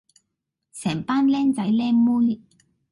成班 𡃁 仔 𡃁 妹